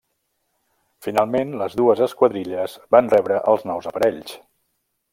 Finalment les dues esquadrilles van rebre els nous aparells.